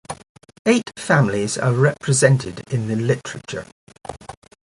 Eight families are represented in the literature.